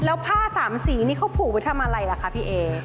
แล้วผ้าสามสีนี่เขาผูกไว้ทำอะไรล่ะคะพี่เอ